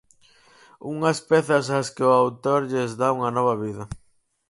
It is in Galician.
Unhas pezas ás que o autor lles dá unha nova vida.